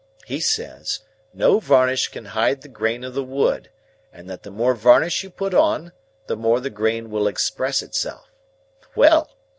He says, no varnish can hide the grain of the wood; and that the more varnish you put on, the more the grain will express itself. Well!